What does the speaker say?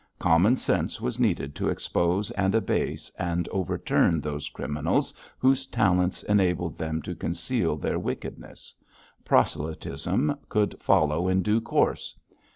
Common sense was needed to expose and abase and overturn those criminals whose talents enabled them to conceal their wickedness; proselytism could follow in due course.